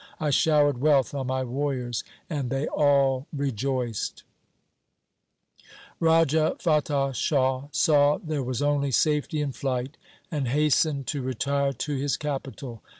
I showered wealth on my warriors and they all rejoiced. Raja Fatah Shah saw there was only safety in LIFE OF GURU GOBIND SINGH 45 flight, and hastened to retire to his capital.